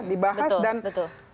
dibahas dan betul betul